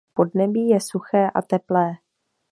Podnebí je suché a teplé.